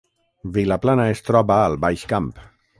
Vilaplana es troba al Baix Camp